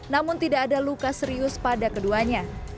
namun tidak ada luka serius pada keduanya